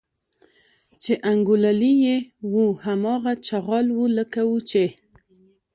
چې انګوللي یې وو هماغه چغال و لکه وو چې.